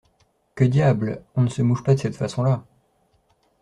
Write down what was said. Que diable ! on ne se mouche pas de cette façon-là !